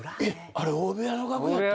あれ大部屋の楽屋やった。